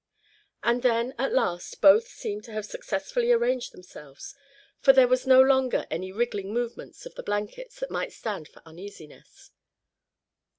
And then at last both seemed to have successfully arranged themselves, for there was no longer any wriggling movements of the blankets that might stand for uneasiness.